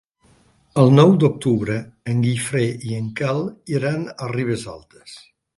El nou d'octubre en Guifré i en Quel iran a Ribesalbes.